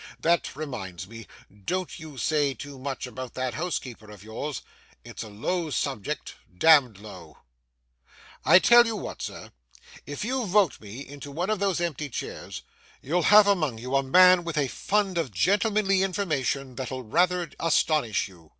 That reminds me—don't you say too much about that housekeeper of yours; it's a low subject, damned low. 'I tell you what, sir. If you vote me into one of those empty chairs, you'll have among you a man with a fund of gentlemanly information that'll rather astonish you.